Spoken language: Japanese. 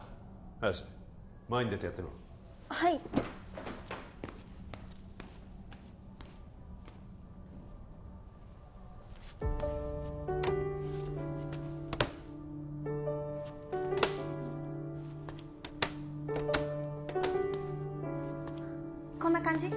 早瀬前に出てやってみろはいこんな感じ？